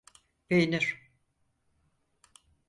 Peynir…